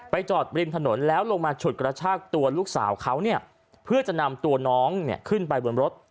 จอดริมถนนแล้วลงมาฉุดกระชากตัวลูกสาวเขาเนี่ยเพื่อจะนำตัวน้องเนี่ยขึ้นไปบนรถ